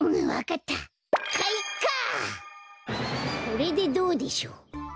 これでどうでしょう？